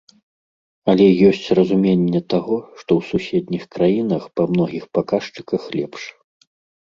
Але ёсць разуменне таго, што ў суседніх краінах па многіх паказчыках лепш.